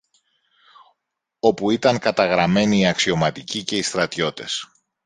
όπου ήταν καταγραμμένοι οι αξιωματικοί και οι στρατιώτες.